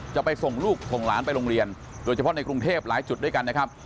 จะไปส่งลูกส่งหลานไปโรงเรียนโดยเฉพาะในกรุงเทพหลายจุดด้วยกันนะครับ